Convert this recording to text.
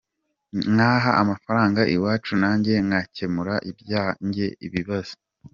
Nkaha amafranga iwacu nanjye nkakemura ibyange bibazo.